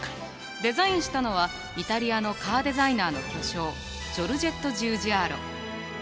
デザインしたのはイタリアのカーデザイナーの巨匠ジョルジェット・ジウジアーロ。